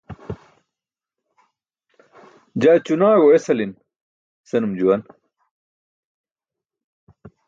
Jaa ćunaaẏo esali̇n, senum juwan.